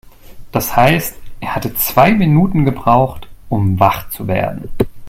Das heißt, er hatte zwei Minuten gebraucht, um wach zu werden.